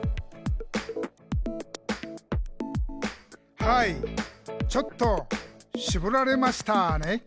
「はいちょっとしぼられましたね」